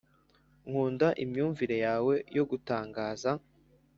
nkunda imyumvire yawe yo gutangaza